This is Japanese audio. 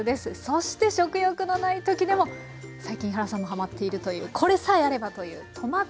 そして食欲のない時でも最近井原さんもはまっているというこれさえあればというトマトみそ